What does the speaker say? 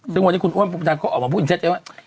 ซึ่งวันนี้คุณอ้วมประปุฏิศาสตร์ก็ออกมาพูดอีกเท่าไหร่วะ